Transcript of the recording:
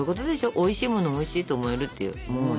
おいしいものをおいしいと思えるっていう。